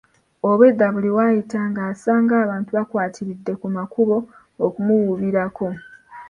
Obwedda buli w'ayita ng'asanga abantu bakwatiridde ku makubo okumuwuubirako.